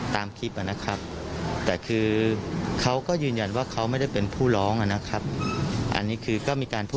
ทีนี้ค่ะ